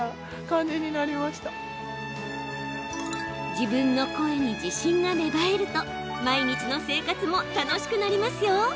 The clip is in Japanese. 自分の声に自信が芽生えると毎日の生活も楽しくなりますよ。